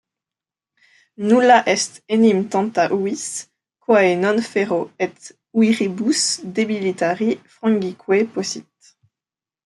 Nulla est enim tanta uis, quae non ferro et uiribus debilitari frangique possit.